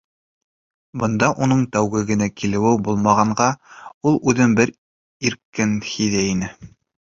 Бында уның тәүге генә килеүе булмағанға, ул үҙен бик иркен һиҙә ине.